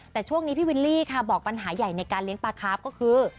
แต่ช่วงนี้พี่วิลลี่ค่ะบอกปัญหาใหญ่ในการเลี้ยงปลาคาร์ฟก็คือ